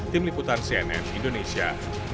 tim liputan cnn indonesia